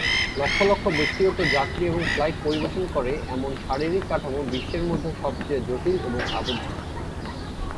লক্ষ লক্ষ ব্যক্তিগত যাত্রী এবং ফ্লাইট পরিবেশন করে এমন শারীরিক কাঠামো বিশ্বের মধ্যে সবচেয়ে জটিল এবং আবদ্ধ।